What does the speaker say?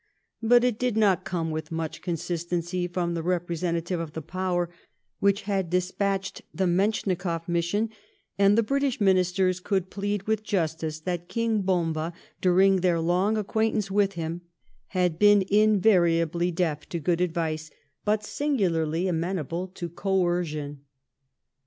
But it did not come with much consistency from the represen tative of the Power which had despatched the Menschi koff mission ; and the British Ministers could plead with justice that King Bomba, during their long acquaintance with him, had been invariably deaf to good advice, but singularly amenable to coercion.